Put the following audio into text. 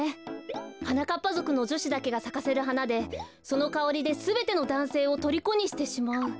はなかっぱぞくのじょしだけがさかせるはなでそのかおりですべてのだんせいをとりこにしてしまう。